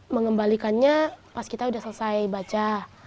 mengembalikannya pas kita sudah selesai baca